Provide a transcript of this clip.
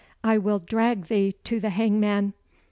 "I will drag thee to the hangman."